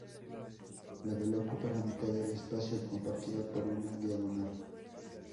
La vela ocupa la mitad del espacio compartido por una diagonal.